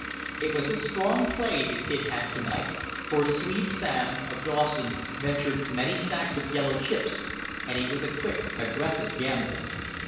It was a strong play the Kid had to night, for Swede Sam, of Dawson, ventured many stacks of yellow chips, and he was a quick, aggressive gambler.